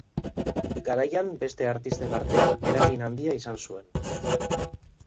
Garaian beste artisten artean eragin handia izan zuen.